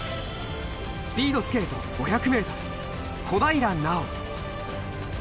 スピードスケート５００ｍ小平奈緒。